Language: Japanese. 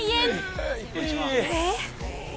えっ！